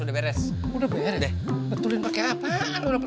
udah beres betulin pake apaan lu